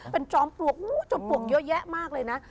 เป็นจอมปลวกจอมปลวกเยอะแยะมากเลยนะ